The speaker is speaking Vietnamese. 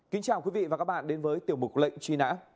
kính chào quý vị và các bạn đến với tiểu mục lệnh truy nã